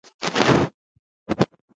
مال، ناموس به يې خوندي وي، تر ابده